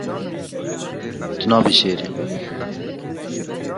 Tu nabijêrî.